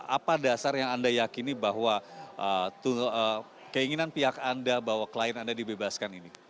apa dasar yang anda yakini bahwa keinginan pihak anda bahwa klien anda dibebaskan ini